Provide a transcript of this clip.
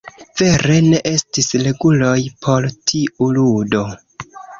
Vere ne estis reguloj por tiu ludo.